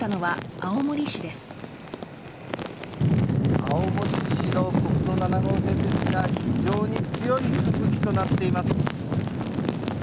青森市の国道７号線ですが非常に強い吹雪となっています。